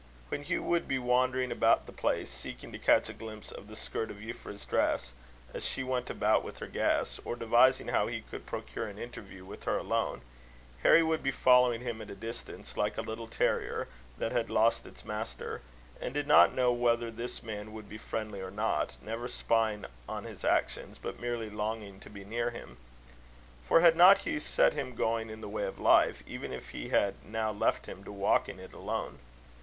When Hugh would be wandering about the place, seeking to catch a glimpse of the skirt of Euphra's dress, as she went about with her guests, or devising how he could procure an interview with her alone, Harry would be following him at a distance, like a little terrier that had lost its master, and did not know whether this man would be friendly or not; never spying on his actions, but merely longing to be near him for had not Hugh set him going in the way of life, even if he had now left him to walk in it alone?